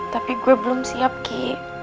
tapi gue belum siap ki